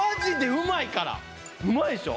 うまいでしょ？